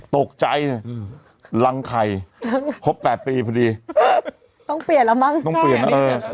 ตกใจหลังไข่หกแปดปีพอดีต้องเปลี่ยนแล้วมั้งต้องเปลี่ยนนะ